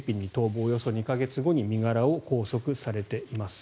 およそ２か月後に身柄を拘束されています。